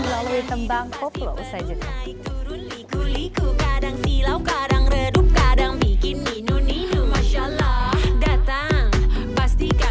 melalui tembang poplo usai juda